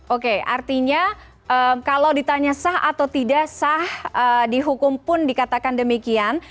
oke artinya kalau ditanya sah atau tidak sah dihukum pun dikatakan demikian